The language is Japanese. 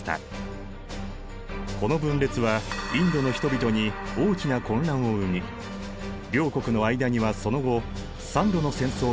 この分裂はインドの人々に大きな混乱を生み両国の間にはその後３度の戦争が起こっている。